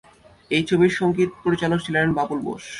এই ছবির সঙ্গীত পরিচালক ছিলেন বাবুল বোস।